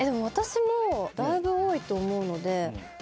私もだいぶ多いと思うので。